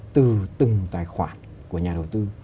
từ từng tài khoản của nhà đầu tư